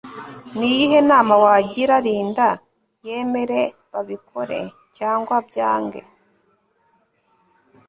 Ni iyihe nama wagira Linda Yemere babikore cyangwaabyange